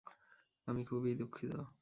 আমি খুবই দুঃখিত!